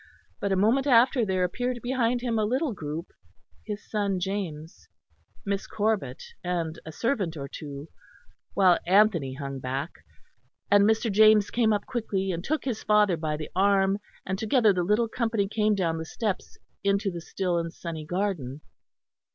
But a moment after there appeared behind him a little group, his son James, Miss Corbet and a servant or two; while Anthony hung back; and Mr. James came up quickly, and took his father by the arm; and together the little company came down the steps into the still and sunny garden.